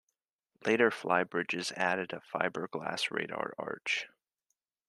Later flybridges added a fiberglass radar arch.